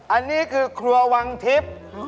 อันนี้คือครัววังทิพย์